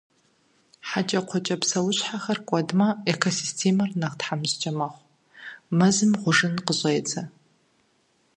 Хьэкӏэкхъуэкӏэ псэущхьэшххэр кӀуэдмэ, экосистемэр нэхъ тхьэмыщкӀэ мэхъу, мэзым гъужын къыщӀедзэ.